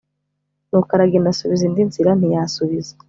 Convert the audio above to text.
Nuko aragenda asubiza indi nzira ntiyasubiza